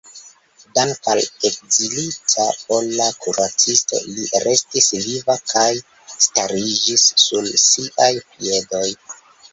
Dank‘ al ekzilita pola kuracisto li restis viva kaj stariĝis sur siaj piedoj.